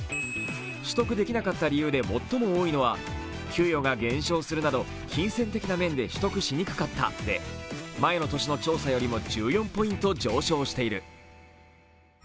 取得できなかった理由で最も多いのは給与が減少するなど金銭的な面で取得しにくかったで前の年の調査よりも１４ポイント上昇している。